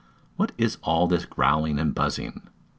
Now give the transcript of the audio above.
What is all this growling and buzzing?